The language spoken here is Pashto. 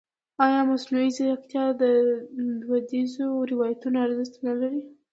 ایا مصنوعي ځیرکتیا د دودیزو روایتونو ارزښت نه کموي؟